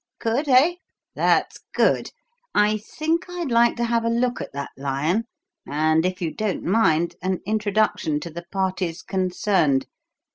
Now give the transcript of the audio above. Could, eh? That's good. I think I'd like to have a look at that lion and, if you don't mind, an introduction to the parties concerned.